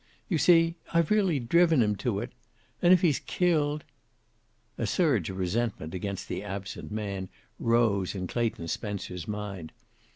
You see, I've really driven him to it, and if he's killed " A surge of resentment against the absent man rose in Clayton Spencer's mind.